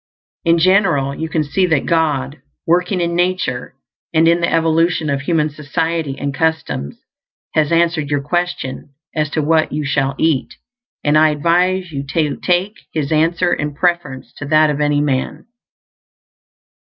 In general, you can see that God, working in nature and in the evolution of human society and customs, has answered your question as to what you shall eat; and I advise you to take His answer in preference to that of any man.